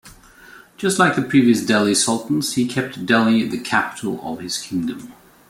Just like the previous Delhi Sultans, he kept Delhi the capital of his kingdom.